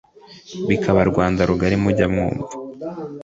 bikaba rwa Rwanda rugali mujya mwumva